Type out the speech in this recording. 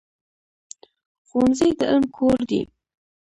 ښوونځی د علم کور دی.